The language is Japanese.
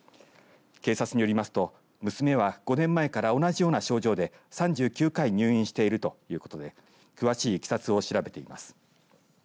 警察によりますと娘は５年前から同じような症状で３９回入院しているということで警察が詳しいいきさつを調べています。